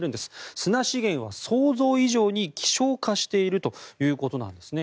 砂資源は想像以上に希少化しているということなんですね。